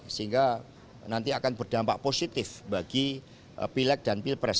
sehingga nanti akan berdampak positif bagi pileg dan pilpres